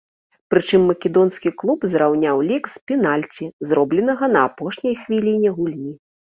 Прычым македонскі клуб зраўняў лік з пенальці, заробленага на апошняй хвіліне гульні.